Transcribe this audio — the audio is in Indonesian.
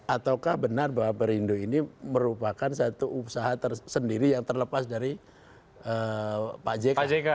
ataukah benar bahwa perindo ini merupakan satu usaha sendiri yang terlepas dari pak jk